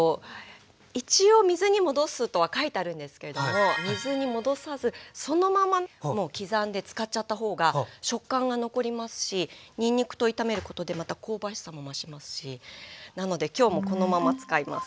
一応水に戻すとは書いてあるんですけれども水に戻さずそのまま刻んで使っちゃった方が食感が残りますしにんにくと炒めることでまた香ばしさも増しますしなので今日もこのまま使います。